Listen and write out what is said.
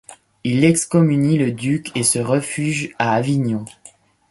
Il excommunie le duc et se refuge à Avignon.